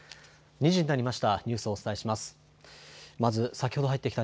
２時になりました。